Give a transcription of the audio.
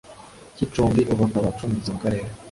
cy icumbi ubu akaba acumbitse mu karere